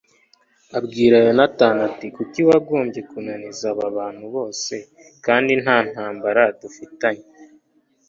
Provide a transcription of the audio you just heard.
abwira yonatani ati ni kuki wagombye kunaniza aba bantu bose, kandi nta ntambara dufitanye